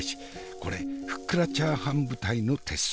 これふっくらチャーハン舞台の鉄則。